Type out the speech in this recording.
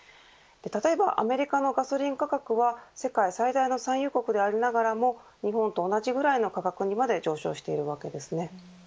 例えばアメリカのガソリン価格は世界最大の産油国でありながらも日本と同じくらいの価格にまで上昇しているわけです。